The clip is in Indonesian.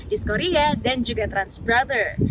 dis korea dan juga trans brother